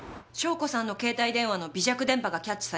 笙子さんの携帯電話の微弱電波がキャッチされました。